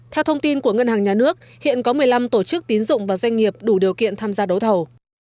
theo thông tin của ngân hàng nhà nước hiện có một mươi năm tổ chức tín dụng và doanh nghiệp đủ điều kiện tham gia đấu thầu